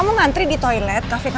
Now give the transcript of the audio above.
mama yakin disana toiletnya rusak